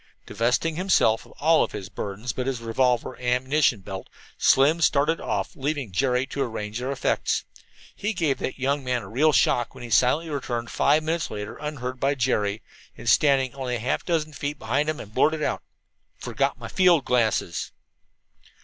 Divesting himself of all his burdens but his revolver and ammunition belt, Slim started off. Leaving Jerry to arrange their effects, he gave that young man a real shock when he silently returned five minutes later unheard by Jerry, and, standing only half a dozen feet behind him, blurted out: "Forgot my field glasses."